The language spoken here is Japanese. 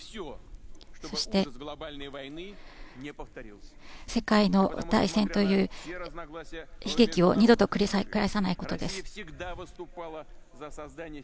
そして、世界の大戦という悲劇を二度と繰り返さないことです。